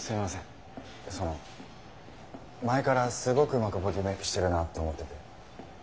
その前からすごくうまくボディーメークしてるなと思ってて。